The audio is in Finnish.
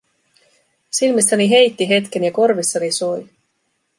Silmissäni heitti hetken ja korvissani soi.